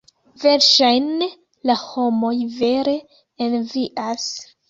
Verŝajne la homoj vere envias.